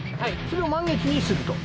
それを満月にすると？